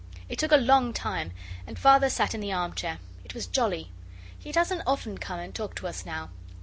It took a long time, and Father sat in the armchair. It was jolly. He doesn't often come and talk to us now.